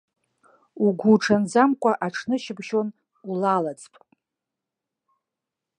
Угәуҽанӡамкәа аҽнышьыбжьон улалаӡп.